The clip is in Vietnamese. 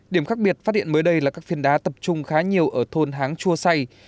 điểm khác biệt phát hiện mới đây là các phiên đá tập trung khá nhiều ở thôn háng chua say